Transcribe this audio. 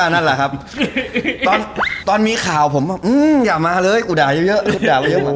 นั่นแหละครับตอนมีข่าวผมอยากมาเลยกูด่าเยอะ